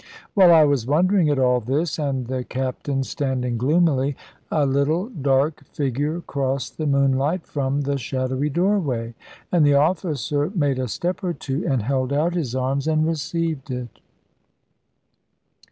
While I was wondering at all this, and the captain standing gloomily, a little dark figure crossed the moonlight from the shadowy doorway, and the officer made a step or two, and held out his arms and received it.